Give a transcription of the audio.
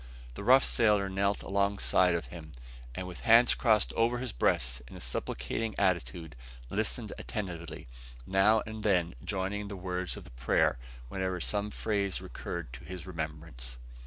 The rough sailor knelt alongside of him, and with hands crossed over his breast in a supplicating attitude, listened attentively, now and then joining in the words of the prayer, whenever some phrase recurred to his remembrance.